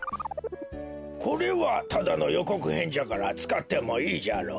これはただのよこくへんじゃからつかってもいいじゃろ。